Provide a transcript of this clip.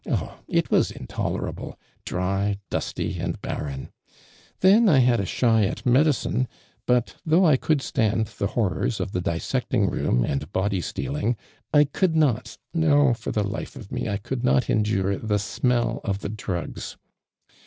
t>h, it was intolerable! Dry, dusty and ban en ! Then I had a shy at medicine, but though I could stand the horrors of the dissecting room and body stealing, I could not, no, for the life of me, I could not endure the smell of the drugs.